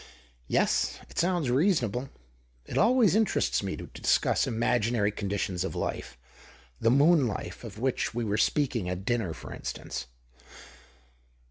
" Yes, it sounds reasonable. It always interests me to discuss imaginary conditions of life — the moon life of which we were speaking at dinner, for instance."